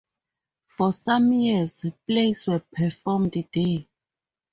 For some years, plays were performed there.